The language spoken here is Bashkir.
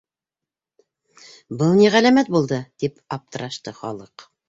Был ни ғәләмәт булды? - тип аптырашты халыҡ.